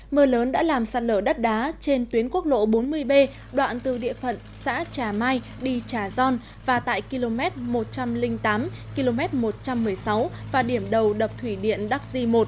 mưa lớn đã làm sạt lở đất đá trên tuyến quốc lộ bốn mươi b đoạn từ địa phận xã trà mai đi trà gion và tại km một trăm linh tám km một trăm một mươi sáu và điểm đầu đập thủy điện đắc di một